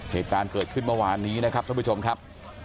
เหตุการณ์เกิดขึ้นเมื่อวานนี้นะครับท่านผู้ชมครับ